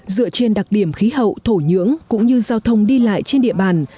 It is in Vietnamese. dựa trên đặc điểm khí hậu thổ nhưỡng cũng như giao thông đi lại trên địa bàn